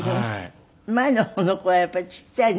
前の方の子はやっぱりちっちゃいね。